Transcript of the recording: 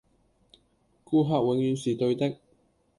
顧客永遠是對的